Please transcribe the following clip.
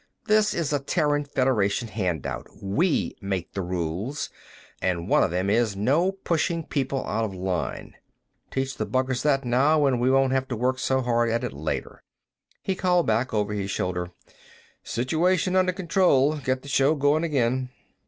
"This is a Terran Federation handout; we make the rules, and one of them is, no pushing people out of line. Teach the buggers that now and we won't have to work so hard at it later." He called back over his shoulder, "Situation under control; get the show going again."